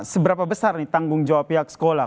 seberapa besar nih tanggung jawab pihak sekolah